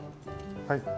はい。